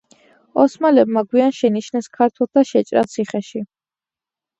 ოსმალებმა გვიან შენიშნეს ქართველთა შეჭრა ციხეში.